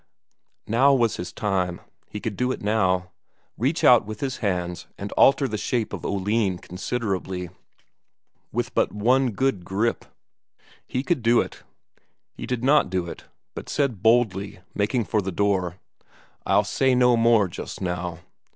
Now was his time he could do it now: reach out with his hands and alter the shape of Oline considerably, with but one good grip. He could do it. He did not do it, but said boldly, making for the door: "I'll say no more just now."